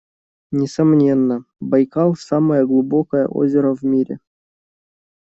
Несомненно, Байкал - самое глубокое озеро в мире.